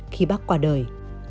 khi bác qua đời